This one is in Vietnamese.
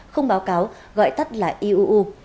không báo cáo gọi tắt là iuu